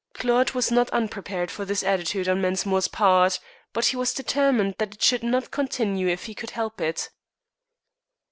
Claude was not unprepared for this attitude on Mensmore's part. But he was determined that it should not continue if he could help it.